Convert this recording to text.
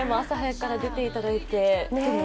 朝早くから出ていただいて。